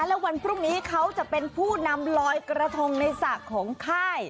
เพราะว่าพรุ่งนี้เขาจะเป็นผู้นำรอยกระทงในศักดิ์ของค่าย